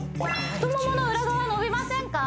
太モモの裏側伸びませんか？